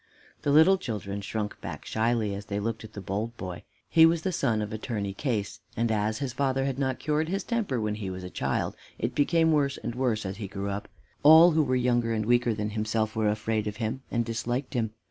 The little children shrunk back shyly, as they looked at the bold boy. He was the son of Attorney Case, and as his father had not cured his temper when he was a child, it became worse and worse as he grew up. All who were younger and weaker than himself were afraid of him and disliked him.